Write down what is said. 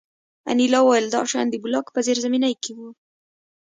انیلا وویل دا شیان د بلاک په زیرزمینۍ کې وو